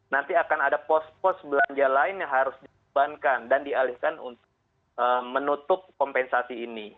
nanti akan ada pos pos belanja lain yang harus dibebankan dan dialihkan untuk menutup kompensasi ini